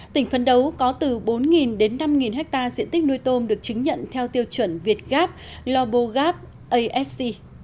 tỉnh phấn đấu có từ bốn đến năm ha diện tích nuôi tôm được chứng nhận theo tiêu chuẩn việt gap lobogap asc